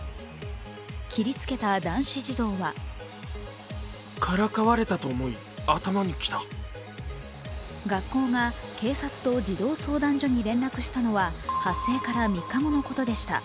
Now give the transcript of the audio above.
切りつけた男子児童は学校が警察と児童相談所に連絡したのは発生から３日後のことでした。